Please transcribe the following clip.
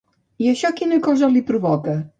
I això quina cosa li provocava?